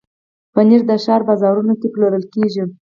پنېر د ښار بازارونو کې پلورل کېږي.